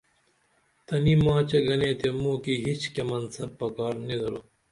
تنی ماچے گنے تے موکی ہیچ کیہ منصب پکار نی درو